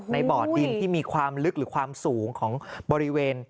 บ่อดินที่มีความลึกหรือความสูงของบริเวณ